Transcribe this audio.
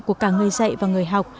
của cả người dạy và người học